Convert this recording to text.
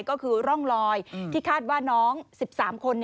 ก็คือร่องลอยที่คาดว่าน้อง๑๓คน